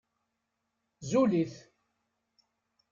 Zul-it!